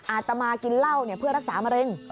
อาตมากินเหล้าเพื่อรักษามะเร็ง